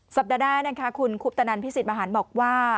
สัปดาห์นะคะคุณคุบตนันพิสิทธิ์มหารบอกว่า